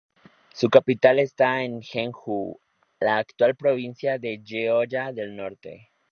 Su capital estaba en Jeonju, en la actual provincia de Jeolla del Norte.